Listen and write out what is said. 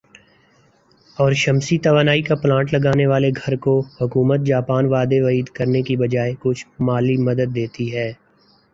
اور شمسی توانائی کا پلانٹ لگا نے والے گھر کو حکومت جاپان وعدے وعید کرنے کے بجائے کچھ مالی مدد دیتی ہے